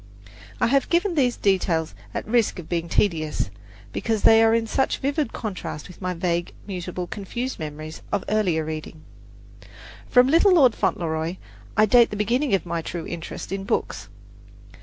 I have given these details at the risk of being tedious, because they are in such vivid contrast with my vague, mutable and confused memories of earlier reading. From "Little Lord Fauntleroy" I date the beginning of my true interest in books.